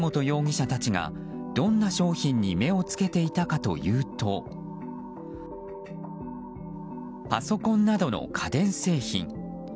容疑者たちが、どんな商品に目をつけていたかというとパソコンなどの家電製品。